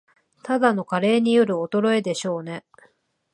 ただの加齢による衰えでしょうね